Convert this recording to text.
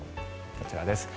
こちらです。